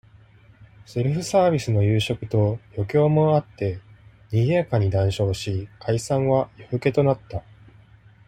セルフサービスの夕食と、余興もあって、賑やかに談笑し、解散は、夜更けとなった。